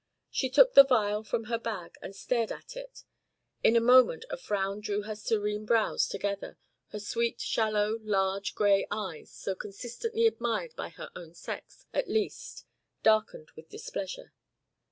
She took the vial from her bag and stared at it. In a moment a frown drew her serene brows together, her sweet, shallow, large grey eyes, so consistently admired by her own sex at least, darkened with displeasure.